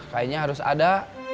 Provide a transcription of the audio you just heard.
kayaknya harus ada